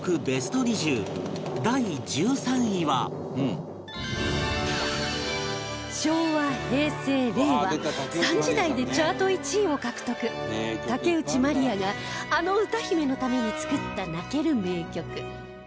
ベスト２０第１３位は昭和、平成、令和３時代で、チャート１位を獲得竹内まりやがあの歌姫のために作った泣ける名曲